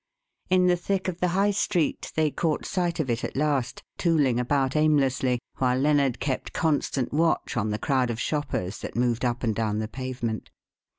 In the thick of the High Street they caught sight of it at last, tooling about aimlessly, while Lennard kept constant watch on the crowd of shoppers that moved up and down the pavement.